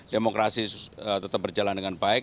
demokrasi tetap berjalan dengan baik